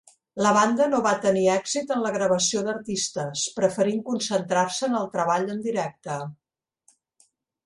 La banda no va tenir èxit en la gravació d'artistes, preferint concentrar-se en el treball en directe.